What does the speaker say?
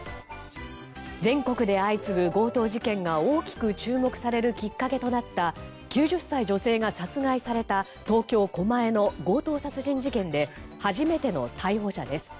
全国で相次ぐ強盗事件が大きく注目されるきっかけとなった９０歳女性が殺害された東京・狛江の強盗殺人事件で初めての逮捕者です。